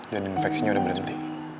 dan infeksinya udah berhenti